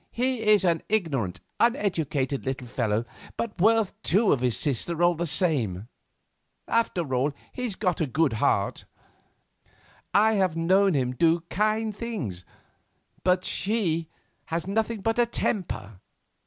He is an ignorant, uneducated little fellow, but worth two of his sister, all the same. After all, he's got a heart. I have known him do kind things, but she has nothing but a temper."